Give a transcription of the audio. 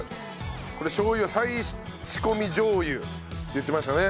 これしょう油は再仕込みしょう油って言ってましたね。